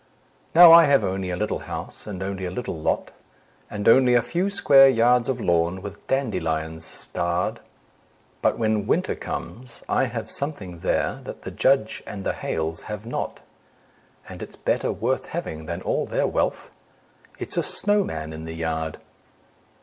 Now I have only a little house, and only a little lot, And only a few square yards of lawn, with dandelions starred; But when Winter comes, I have something there that the Judge and the Hales have not, And it's better worth having than all their wealth it's a snowman in the yard.